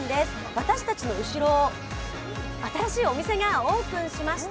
私たちの後ろ、新しいお店がオープンしました